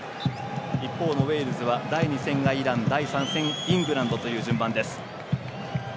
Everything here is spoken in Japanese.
一方のウェールズは第２戦がイラン第３戦がイングランドという順番。